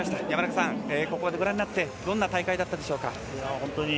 山中さん、ここまでご覧になってどんな大会だったでしょうか。